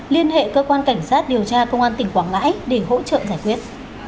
liên hệ cơ quan cảnh sát điều tra công an tỉnh quảng ngãi để hỗ trợ giải quyết